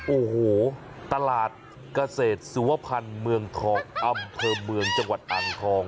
โอ้โหตลาดเกษตรสุวพันธ์เมืองทองอำเภอเมืองจังหวัดอ่างทอง